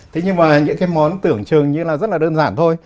thế nhưng mà những cái món tưởng trường như là rất là đơn giản thôi